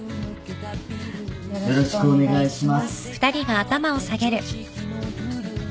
よろしくお願いします。